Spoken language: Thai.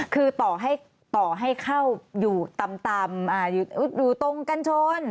คือต่อให้เข้าอยู่ต่ำอยู่ตรงกันชน